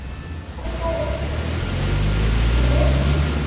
琴ごめん。